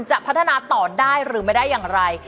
จะพัฒนาต่อได้หรือไม่ได้อย่างไร